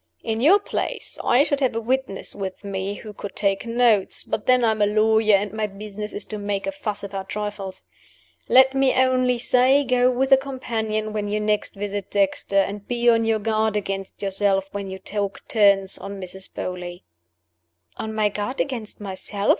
In your place, I should have a witness with me who could take notes but then I am a lawyer, and my business is to make a fuss about trifles. Let me only say go with a companion when you next visit Dexter; and be on your guard against yourself when your talk turns on Mrs. Beauly." "On my guard against myself?